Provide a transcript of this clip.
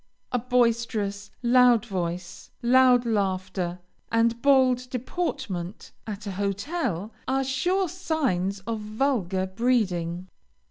A boisterous, loud voice, loud laughter, and bold deportment, at a hotel, are sure signs of vulgar breeding.